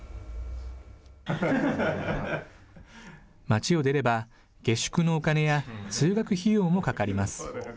町を出れば、下宿のお金や通学費用もかかります。